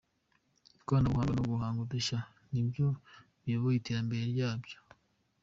Ikoranabuhanga no guhanga udushya ni byo biyoboye iterambere ryacyo.